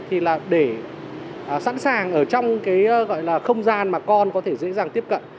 thì là để sẵn sàng ở trong cái gọi là không gian mà con có thể dễ dàng tiếp cận